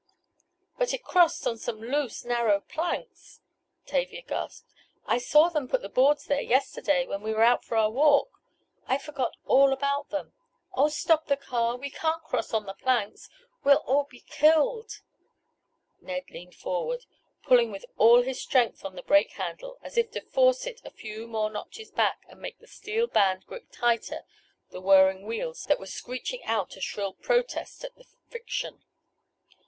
"But it crossed on some loose, narrow planks!" Tavia gasped. "I saw them put the boards there yesterday when we were out for our walk! I forgot all about them! Oh! Stop the car! We can't cross on the planks! We'll all be killed!" Ned leaned forward, pulling with all his strength on the brake handle, as if to force it a few more notches back and make the steel band grip tighter the whirring wheels that were screeching out a shrill protest at the friction.